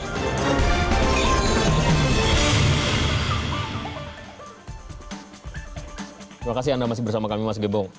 terima kasih anda masih bersama kami mas gebong